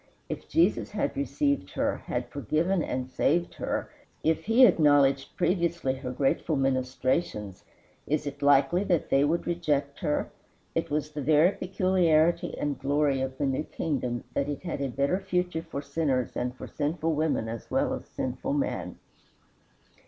If Jesus had received her, had forgiven and saved her; if he acknowledged previously her grateful ministrations, is it likely that they would reject her? It was the very peculiarity and glory of the new kingdom that it had a better future for sinners, and for sinful woman as well as sinful man.